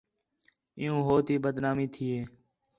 عِیّوں ہو تی بدنامی تھی ہے